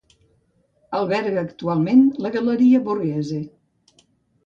Alberga actualment la Galeria Borghese.